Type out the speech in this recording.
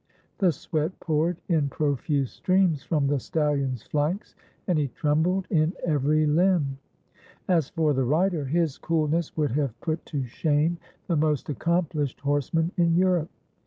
The sweat poured in profuse streams from the stallion's flanks, and he trembled in every limb. As for the rider, his coolness would have put to shame the most accomplished horseman in Europe.